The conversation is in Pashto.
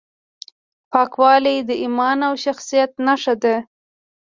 پاکوالی د ایمان او شخصیت نښه ده.